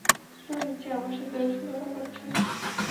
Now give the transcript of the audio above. তুমি নিশ্চয়ই আমার সাথে রসিকতা করছ!